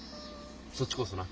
そっちこそな。